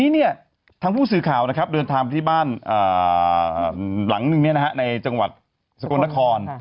ทีนี้ทางผู้สื่อข่าวเดินทางมาที่บ้านหลังหนึ่งในจังหวัดสกุลนคร